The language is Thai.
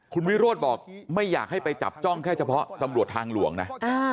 คุณวิโรธบอกไม่อยากให้ไปจับจ้องแค่เฉพาะตำรวจทางหลวงนะ